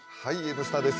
「Ｎスタ」です。